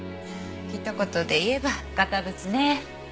ひと言で言えば堅物ね。